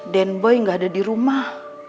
dan boy gak ada di rumah